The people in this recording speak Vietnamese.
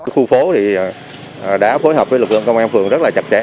khu phố đã phối hợp với lực lượng công an phường rất là chặt chẽ